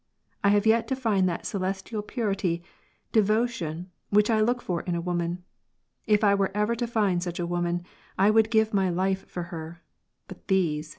I have yet to find that celestial purity, devotion, which I look for in woman. If I were ever to find such a woman, I would give my life for her. But these !